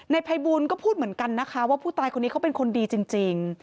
ภัยบูลก็พูดเหมือนกันนะคะว่าผู้ตายคนนี้เขาเป็นคนดีจริง